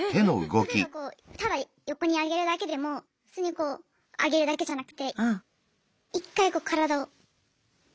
例えばこうただ横に上げるだけでも普通にこう上げるだけじゃなくて１回こう体を通るんですよ。